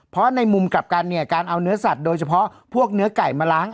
เพราะในมุมกลับกันเนี่ยการเอาเนื้อสัตว์โดยเฉพาะพวกเนื้อไก่มาล้าง